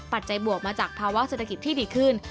ปัจจวบมาจากภาวะเศรษฐกิจที่ดีขึ้น